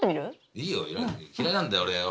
いいよ嫌いなんだよ俺よ。